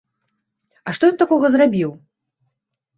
А што ён такога зрабіў?